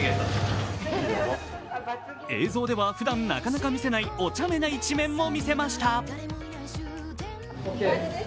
映像ではふだんなかなか見せないおちゃめな一面も見せました。